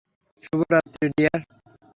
শুভ রাত্রি, ডিয়ার।